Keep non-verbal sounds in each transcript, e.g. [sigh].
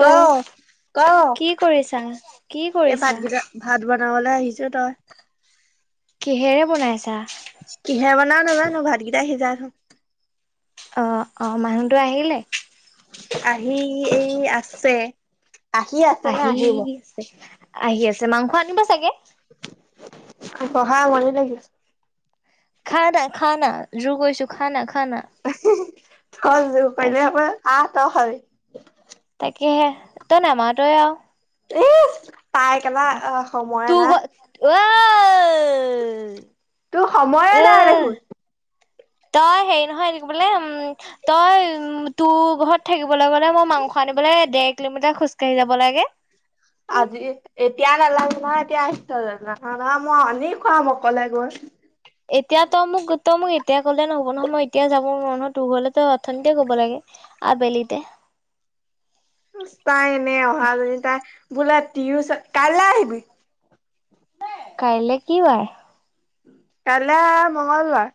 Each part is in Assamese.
ক, ক, কি কৰিছা? কি এই কৰিছা? ভাতকেইটা ভাত নহলে আহিছ তই। কিহেৰে বনাইছা? কিহেৰে বনাও নাজানো ভাতকেইটা সিজাই আছোঁ। অ', অ', মানুহটো আহিলে? আহি এই আছে। আহি আছে নে আহি আহিব আছে, আহি আছে, মাংস আনিব চাগে। বহা আমনি লাগিল। খানা, খানা আৰু কৈছো খানা, খানা তাক, [unintelligible] তাকেহে তই নমাতয়ে আৰু। ইছ ত, ঐ তোৰ সময়ে ঐ নাই দেখোন। তই হেৰি নহয় বোলে উম, তই তোৰ ঘৰত থাকিব। গলে বোলে মই মাংস আনিবলৈ ডেৰ কিলোমিটাৰ খোজকাঢ়ি যাব লাগে। আজি এতিয়া নালাম নাহ এতিয়া। নাহা না, মই আনি খুৱাম অকলে গৈ। এতিয়া তই মোক, তই মোক এতিয়া কলে নহ'ব নহয়ই এতিয়াই যাম। মোৰ মনত হবলে অথনিতে ক'ব লাগে আবেলিতে। তাই এনে অহা জনী তাই বোলো তিও কাইলৈ আহিবি। কাইলে কি বাৰ? কাইলৈ মঙ্গলবাৰ।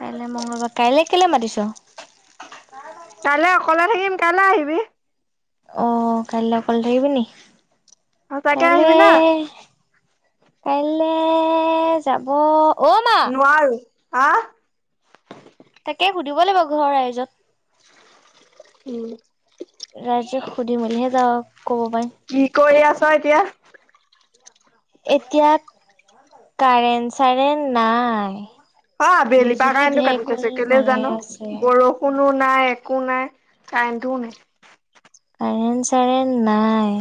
কাইলে মঙ্গলবাৰ, কাইলে কে'লে মাতিছ? কাইলৈ অকলে থাকিম কাইলৈ আহিবি। অ, কাইলৈ অকলে থাকিবি নেকি, সঁচাকে আহিবি না কাইলৈ? কাইলে যাব অ মা নোৱাৰো হা। তাকে সুধিব লাগিব ঘৰৰ ৰাইজক। উম। ৰাইজে সুধি, মেলিহে যাব কব পাই। ত‌ই এতিয়া এতিয়া কাৰেন, চাৰেণ নাই। আবেলিৰপা বিজুলী কাৰেন্টটো কাটি থৈছে, ঢেৰেকণি কেলে মাৰে জানো, আছে বৰষুণ নাই একো, নাই কাৰেন্টটো নাই। কাৰেন্ট, চাৰেন নাই,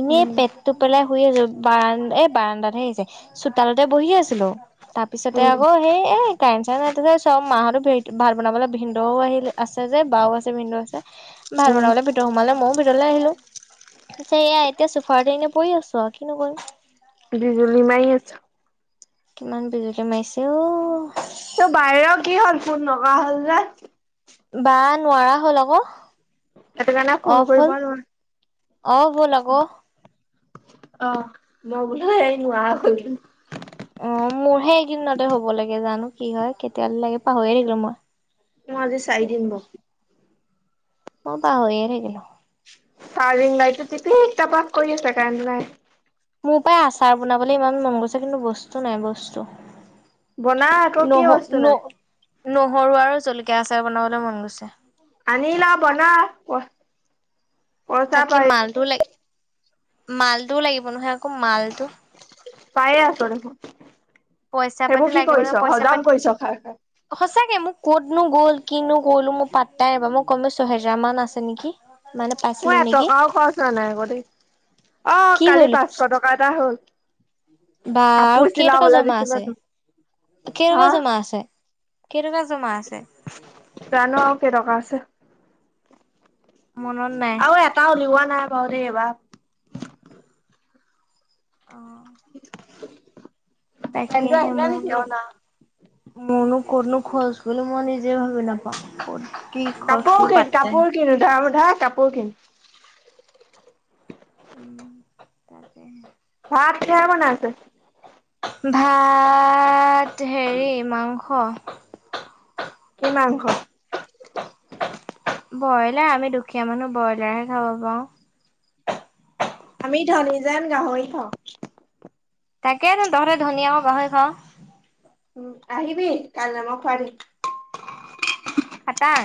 এনে উম পেটটো পেলাই। শুই আছো, বাৰন এই বাৰাণ্ডাতহে আহিছে। তালতে বহি আছিলো। তাৰ পিছতে উম আকৌ সেই এ, কাৰেন্ট, চাৰেন চব মাহত ভেট [unintelligible] ভাত বানাবলৈ ভিন্ ও, আহিল আছে, যে বাও আছে, ভিনদেউ আছে। ভাত উম বনাবলৈ ভিতৰত সোমালে ময়ো আহিলো, পিছে এয়া এতিয়া চুফাৰটনে পৰি আছো আৰু কিনো কৰিম। বিজুলি মাৰি আছে। কিমান বিজুলী মাৰাইছে অ'। তোৰ বায়েৰৰ কি হ'ল ফোন লগা হ'ল যে? বা, নোৱাৰা হ'ল আকৌ। সেইটো কাৰণে ফুন কৰিব নোৱাৰে। অ, ব'ল আকৌ। অ, মই বোলো এই নোৱাৰ হ'ল। অ, মোৰহে এইদিনতে হ'ব লাগে, জানো কি হয়, কেতিয়াবা লাগে পাহৰিয়ে থাকিলো মই। মই আজি চাৰিদিন ব মই পাহৰিয়ে থাকিলো। চাৰ্জিং লাইততো তিপিক তাপাক কৰি আছে, কাৰন্টটো নাই। মোৰ প্ৰায় আচাৰ বনাবলৈ ইমান মন গৈছে, কিন্তু বস্তু নাই বস্তু। বনা আকৌ কি নহ বস্তু নাই ন নহৰু আৰু জলকীয়া আচাৰ বনাবলে মন গৈছে। আনিল‌ বনা। পইচা তাকে পাই মালটোও লাগি মালটোও লাগিব নহয় আকৌ মালটো। পায়ে আচ দেখোন। পইচা সেইবোৰ পাতি কি লাগিব কৰিছ নহয় পইচা হজম পাতি। কৰিছ খাই খাই সচাকে মোক ক'তনো গ'ল কিনো গ'লো মোৰ পাতটাই নাপাওঁ, মই কম ছহেজাৰ মান আছে নেকি। মানে মোৰ পাইছিলো নেকি এটকাও খৰচ হোৱা নাই আকৌ দেই, অ কি কালি পাঁচশ কৰিলো টকা এটা হ'ল। বা আৰু কাপোৰ কেইটকা চিলাবলৈ জমা দিছিলো আছে? তোক। হা কেইটকা জমা আছে? কেইটকা জমা আছে? জানো আৰু কেইটকা আছে মনত নাই আৰু এটা উলিওৱা নাই বাৰু দেই এইবাৰ। অ, [inaudible] তাকে পেনটো হে আহিলে নেকি মনু অ নাই মনু কতনো খৰজ গ'ল বুলো, মই নিজে ভাবি নাপাওঁ ক কাপোৰ কিন কাপোৰ কিনো, উধাই-মুধাই কাপোৰ কিন। কম। ভাত কিহেৰে বনাই আছে? ভাত হেৰি মাংস। কি মাংস ব্ৰইলাৰ আমি দুখীয়া মানুহ ব্ৰইলাৰ হে খাব পাৰওঁ। আমি ধনী যোন গাহৰি খাওঁ। তাকে তহৰে ধনিয় গাহৰি খাওঁ। উম, আহিবি কাল ম ফাৰ খাটাং।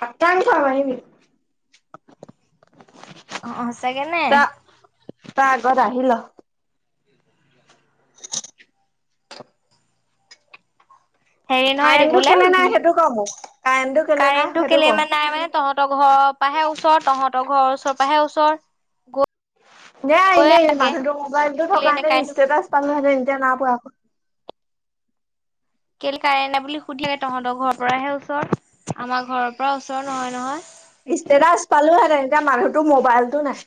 কটাানছ নাইিবি। অ, ' চাগে নে? ত আগৰ আহিল। হেৰি নহয় দে কাৰেণ্টটো বোলে কেলে উ নাই সেইটো ক মোক কাৰেণ্টটো কেলে নাই কাৰেণ্টটো সেইটো কেলে ক ইমান নাই মানে তহঁতৰ ঘৰ পৰাাহে ওচৰ তহঁতৰ ঘৰ ওচ ওৰাহে ওচৰ গ নে আহিলে মানুহতৰ মোবাইলতো কেলে নাই কাৰেণ্টটো থকাাহেতেনষ্টেটাছ পালোহেতেন। এতিয়া ন প আকৌ কেেল কাৰে ন বুলি সুধিয়ে তহঁতৰ ঘৰ পৰাহে ওচৰত। আমাৰ ঘৰৰ পৰা ওচৰৰ নহয় নহয়। ই্তৰা পালো হেতেন এতিয়া মানুহটোো মোবাইলতটো নাই।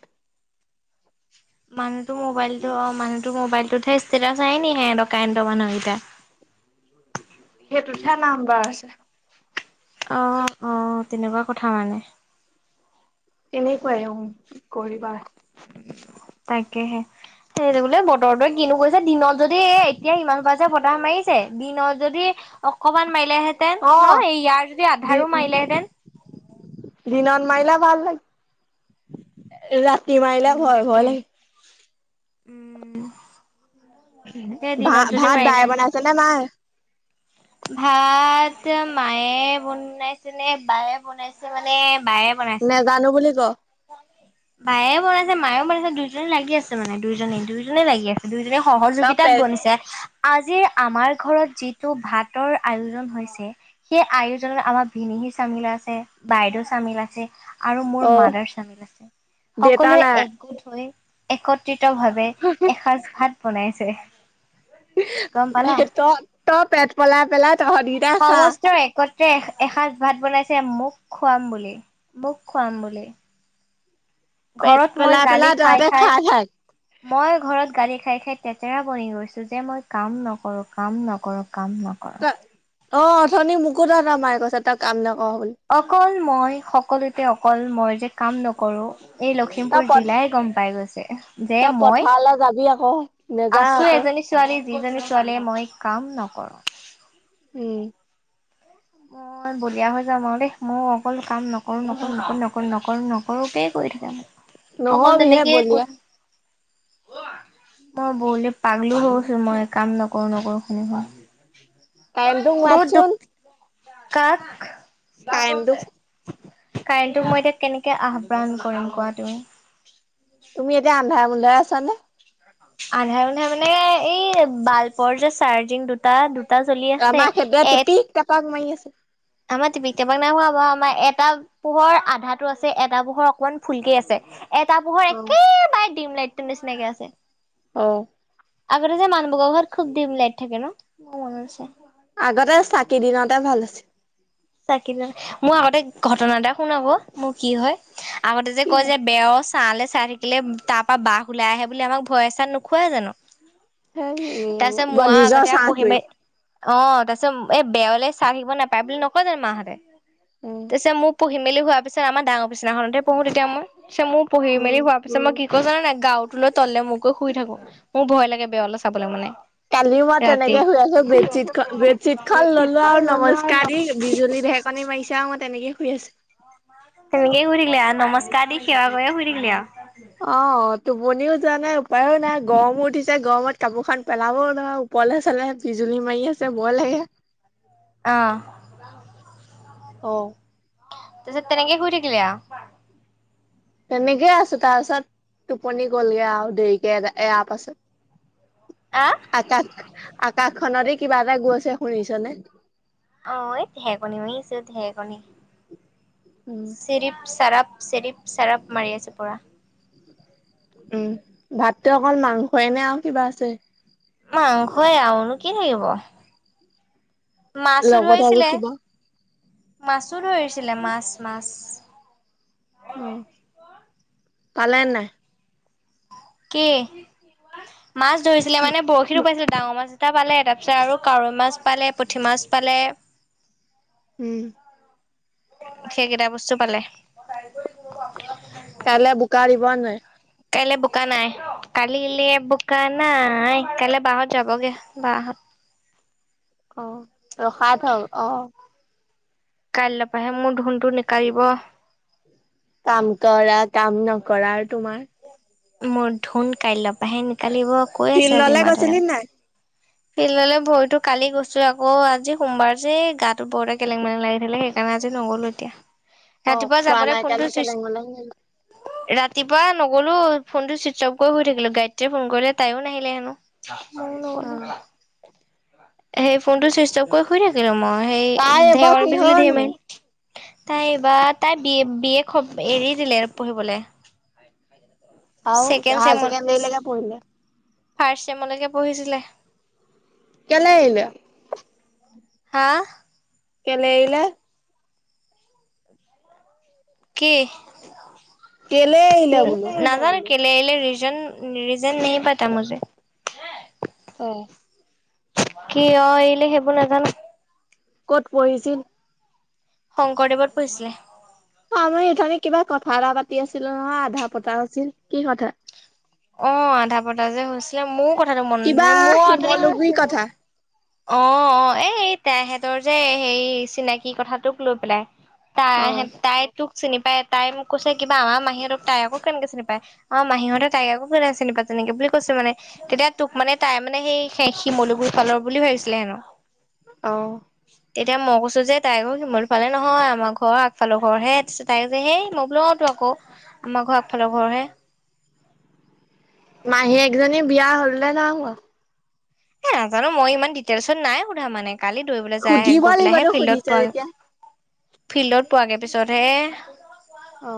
মানুহটোো মোবাইলতো অ মানুহ তৰ মোবাইলটোতহে ষ্টেটাচ আহ নি সে দকনত মানুহকেইটা [inaudible] সেইটোতহে নাম্বাৰ আছে। অ, ' অ, 'তেনেকুৱা কথা মানে এনেকুৱাই কৰিবা। তাকেহে সেইটো বোলে বতৰটোৱে কিনো কৈছে দিনত যদি এ এতিয়া সিমান পাইছে ফতাহ মাৰিছে দিন যদি অকমান মাৰিলেহেঁতেন অ ন এই ইয়াৰ যদি দি আধাৰো মাৰিলেহেতেন। দিনত মাৰিলা ভাল লাগে। ৰাতি মাৰিলে উম ভয় তাকে ভ উম, তাকে ভা দিনত যদি ভাত বায় মাৰিলেহেঁতেন বনাইছে নে মায়। ভাত মায়ে বনাইছে নে বায়ে বনাইছে মানে বায়ে ন বনাইছে। গানো বুলি ক। মায়ে বনাইছে মায়েও বনাইছে দুইজনে লাগি আছে মানে দুইজনে দুইজনে লাগি আছে দুইজনে তই সহযোগিতাত পে বনিছে আজিৰ আমাৰ ঘৰত যিটো ভাতৰ আয়োজন হৈছে সেই আয়োজনত আমাৰ ভিন সি চামিল আছে বাইদেউ চামিল আছে। আৰু মোৰ অ মাদাৰ চামিল আছে দেউতা সকলোৱে নাই একগোট হৈ একত্ৰিত ভাৱে এসাঁজ ভাত বনাইছে। গম পালা তই তই পেট পলাই পেলাই তহঁতকেইটাই খা সমস্ত একত্ৰে এসাঁজ ভাত বনাইছে মোক খুৱাম বুলি মোক খুৱাম বুলি। পেট ঘৰত মই পেলাই গালি পেলাই খাই তহঁতে খাই থাক মই ঘৰত গালি খাই খাই তেতেৰা বনি গৈছো যে মই কাম নকৰো কাম নকৰো কাম নকৰোঁ। তই অ, 'অথনি মোকোত মাৰে কৈছে তাক কাম ন অকল মই সকলোতে অকল মই যে কাম নকৰো। এই তই প লখিমপুৰ জিলাই গম পাই গৈছে। যে তই মই পথাৰলৈ যাবি আকৌ নেযা আছো আকৌ এজনী ছোৱালী যিজনী ছোৱালীয়ে মই কাম নকৰোঁ। উম, মই বলিয়া হৈ যাাম আৰু দেই মই অকল কাম নকৰো নকৰো নকৰ নকৰো নকৰো নকৰোেই আ, ' ত তে নহবিহে নকে ক বলিয়া মই বৰলি পাগলি হৈছো মই কাম নকৰো নকৰো শুনি শুনি বহুত দুখ [unintelligible] কাক কাৰেণ্টটোক কাৰেণ্টোক মই এতিয়া কেনেকে আহ্বান কৰিম কোৱা তুমি তুমি এতিয়া আন্ধাৰে মুন্ধাৰে আছা নে আন্ধাৰ- মুন্ধাৰে মানে এই বাল্বৰ যে চাৰ্জিং দুটা দু টা জ্বলি আছে আমাৰ সেইটোৱে এক টিপিক টাপাক মাৰি আছে আমাৰ টিপিক টাপাক নাই হোৱা বাৰু আমাৰ এটা পোহৰ আধাটো আছে এটা পোহৰ অকমান ফুলকেই আছে এটা পোহৰ অ একেবাৰে দিম লাইটটোৰ নিচিনাকে আছে। অ আগতে যে মানুহবোৰৰ ঘৰত খুব ডিম লাইট থাকে ন মোৰ মনত আছে। আগতে চাকি দিনতে ভাল আছিল চাকি মোৰ আগতে ঘটনা এটা শুন আকৌ মোৰ কি হয় আগতে যে কি কয় যে হয় বেয়স ছাঁ লে চাই থাকিলে তাৰ পৰা বাঘ ওলাই আহে বুলি আমাক ভয় -চয় নোখোৱাই জানো সেই তাৰ পিছত ম আৰু নিজৰ আগতে পঢ়িম চাহটোৱে অ তাৰপিছত এই বেৰলে চাই থাকিব নাপায় বুলি নকয় জানো মাহঁতে তাৰপিছত মোৰ পঢ়ি- মেলি হোৱাৰ পিছত আমাৰ ডাঙৰবিচনাখনতে পঢ়ো তেতিয়া মই পিছে মোৰ উম পঢ়ি-মেলি হোৱাৰ পিছত মই ও জান নে নাই গাঁৰুটো লৈ তললে মুখ কৰি শুই থাকো মোৰ ভয় লাগে বেৰলৈ চাবলৈ মানে কালিও মই ৰাতি তেনেকে শুই আছো বেডশ্বীট বেডশ্বিটখন ল'লো আৰু নমস্কাৰ দি বিজুলী ঢেৰকনি মাৰিছে আৰু মই তেনেকে শুই আছো তেনেকে এ শুই থাকিলি আৰু নমস্কাৰ দি সেৱা কৰিয়ে শুই থাকিলি আৰু অ তু টোপনিও যোৱা নাই উপায়ো নাই গৰমো উঠিছে গৰমত কাপোৰ খন পেলাবও নোৱাৰো ওপৰলে চালহে বিজুলী মাৰি আছে ভয় লাগে অহ অ তাৰ পাছত তেনেকে শুই থাকিলি আৰু তেনেকে আছো তাৰ পিছত টোপনি গলগে আৰু দেৰিকে এ আপ আছে আহ আকাশ আকাশখনৰে কিবা এটা গৈছে শুনিছনে অ', এই ঢেৰেকনি মৰিছে ঢেৰেকনি উম চিৰিপ চাৰপ। চিৰিপ চাৰাপ মাৰি আছে পুৰা। উম, ভাতটো অকল মাংসই নে আৰু কিবা আছে? মাংসই আৰুনো কি থাকিব। মাছও লগতে আৰু ধৰিছিলে। কিবা মাছো ধৰিছিলে মাছ মাছ। উম, পালে নাই? কি মাছ ধৰিছিলে মানে বৰশীটো পাইছিলে ডাঙৰ মাছ এটা পালে তাৰ পিছত আৰু কাৱৈ মাছ পালে পুঠি মাছ পালে। উম। সেইকেইটা বস্তু পালে। কাইলৈ বোকা দিব নে নাই? কাইলৈ বোকা নাই, কালিলে বোকা নাই কাইলৈ বা হঁত যাবগে বা হঁত। [inaudible] অ', ৰখাই থ' অ'। কাইলৈৰ পৰাহে মোৰ ধুনটো নোকাৰিব। কাম কৰা কাম নকৰা আৰু তোমাৰ। মোৰ ধুন কাইলৈৰ পৰাহে নোকালিব কৈ আছে আজি ফিল্ডলে মাদাৰে। গৈছিলি নাই? ফিলডলে ভৰিতো কালি গৈছো আকৌ আজি সোমবাৰ যে গাটো বৰকে কেলেং মেলেং লাগি থাকে স আজি নগ'লো এতিয়া। অ ৰাতিপুৱা খোৱা যাবলৈ নাই কাৰণে ফোনটো কেলেং মেলেং হ'ল। চুইচট ৰাতিপুৱা নগ'লো ফোনটো চুইচ অফ কৰি শুই থাকিলো। গাইত্ৰীয়ে ফোন কৰিলে তাইও নাহিলে হেনো। মইয়ো অ নগ'লো। সেই ফোনটো চুইচ অফ কৰি শুই থাকিলো মই। তাই সেই এইবাৰ ধেৰেকণি বিজুলী ধে কিহৰনো মাৰ তাই এইবাৰ তাই বি-বি খব এৰি দিলে পঢ়িবলৈ। আৰু ছেকেণ্ড হায়াৰ চেমত চেকেণ্ডেৰি লৈকে পঢ়িলে। ফাৰ্ষ্ট চেমলৈকে পঢ়িছিলে। কেলে এৰিলে? হা? কেলে এৰিলে? কি? কেলে এৰিলে বোলো? কেলে এৰিলে ৰিজন-ৰিজন নেহি পতা মোজে। আহ। কিয় এৰিলে সেইবোৰ নাজানো। ক'ত পঢ়িছিল? শংকৰদেৱত পঢ়িছিলে। অ', মই উঠনি কিবা কথা এটা পাতি আছিলো নহয় আধা পতা আছিল কি কথা? অ', আধা পতা যে হৈছিলে মোৰ কথাটো মন কিবা মোৰ শিমলুগুৰি অ', কথা। অ', এই তেহঁতৰ যে সেই চিনাকি কথাটোক লৈ পেলাই। অ তাই তাই তোক চিনি পায়। তাই মোক কৈছে কিবা আমাৰ মাহীহঁতক তাই আকো কেনেকে চিনি পায়। আমাৰ মাহীহঁতে তাইক আকৌ কেনেকে চিনি পায় তেনেকে বুলি কৈছে মানে। তেতিয়া তোক মানে তাই মানে সেই শিমলুগুৰি ফালৰ বুলি পঢ়িছিলে হেনো। আহ। তেতিয়া মই কৈছো যে তাই ঘৰ শিমলুফালে নহয় আমাৰ ঘৰ আগফালৰ ঘৰহে। তাৰ পিছত তাই কৈছে সেই মই বোলো অ' তো আক। আকৌ আমাৰ ঘৰ আগফালৰ ঘৰহে। মাহীয়েক জনী বিয়া হ'লনে নাই হোৱা? এ নাজানো মই ইমান ডিটেইলছত নাই সুধা মানে। কালি দৌৰিবলৈ যায় হে সুধিব গৈ পেলাই লাগিব হে তোক ফিল্ডত সুধিছে পোৱা যেতিয়া। ফিল্ডত পোৱাগে পিছত হে অ'।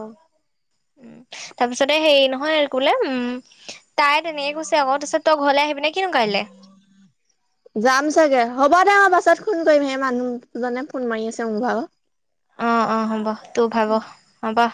উম। তাৰপিছতে হেৰি নহয় কোলে উম, তাই তেনেকে কৈছে আকৌ তাৰিছত তই ঘৰলে আহি পিনে যাম চাগে হ'ব দে, বা। তত ফোন কৰি সেই মানুহজনে ফোন মাৰি আছে মভও অ', অ', হ'ব তোৰ ভাব হ'বা।